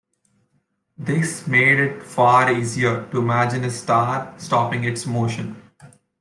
This made it far easier to imagine a star stopping its motion.